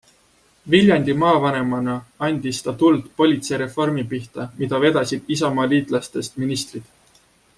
Viljandi maavanemana andis ta tuld politseireformi pihta, mida vedasid isamaaliitlastest ministrid.